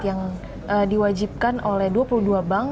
yang diwajibkan oleh dua puluh dua bank